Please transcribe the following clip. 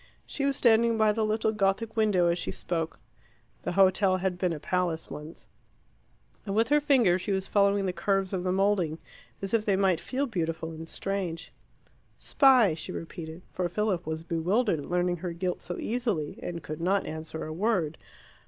She was standing by the little Gothic window as she spoke the hotel had been a palace once and with her finger she was following the curves of the moulding as if they might feel beautiful and strange. "Spy," she repeated, for Philip was bewildered at learning her guilt so easily, and could not answer a word.